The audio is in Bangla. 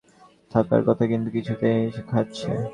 থাকার কথা কিন্তু কিছুই ত নেই -খাইছে!